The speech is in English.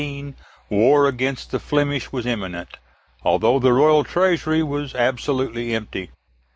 in 1315, war against the Flemish was imminent, although the royal treasury was absolutely empty.